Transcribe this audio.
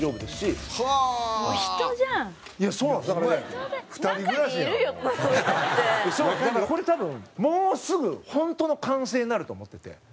土田：だから、これ、多分もうすぐ本当の完成になると思ってて。